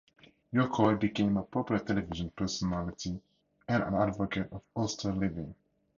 Yokoi became a popular television personality and an advocate of austere living.